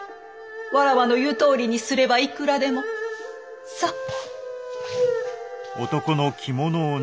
わらわの言うとおりにすればいくらでも。さっ。